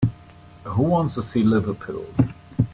Who wants to see liver pills?